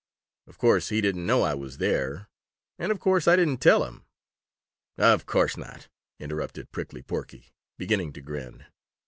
Of course he didn't know I was there, and of course I didn't tell him." "Of course not," interrupted Prickly Porky, beginning to grin.